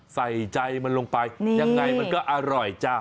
ใส่ใจมันลงไปยังไงมันก็อร่อยจ้ะ